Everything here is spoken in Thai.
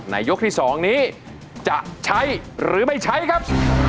ยกที่๒นี้จะใช้หรือไม่ใช้ครับ